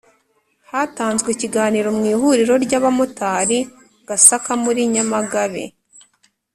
hatanzwe ikiganiro mu ihuriro ry abamotari Gasaka muri Nyamagabe